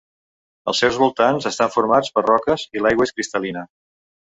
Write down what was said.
Els seus voltants estan formats per roques i l'aigua és cristal·lina.